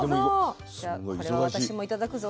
じゃあこれは私も頂くぞ。